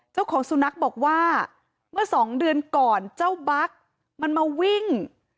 เจ้าของสุนัขบอกว่าเมื่อสองเดือนก่อนเจ้าบั๊กมันมาวิ่ง